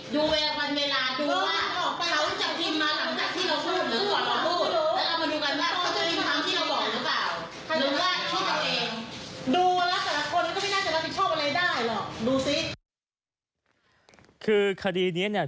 ดูละจะได้หรอดูซิคือคดีเนี้ยเนี้ย